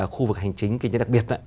khu vực hành chính kinh tế đặc biệt